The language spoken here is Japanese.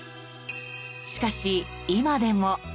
しかし今でも。